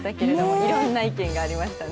いろんな意見がありましたね。